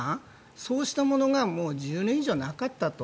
そうしたものが１０年以上なかったと。